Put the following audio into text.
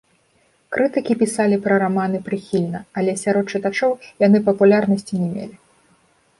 Крытыкі пісалі пра раманы прыхільна, але сярод чытачоў яны папулярнасці не мелі.